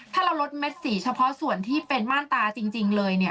ถ้าเราลดเม็ดสีเฉพาะส่วนที่เป็นมาตราจริงเลยเนี่ย